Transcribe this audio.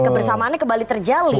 kebersamaannya kembali terjalin